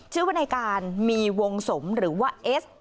ชื่อว่าในการมีวงสมหรือว่าเอส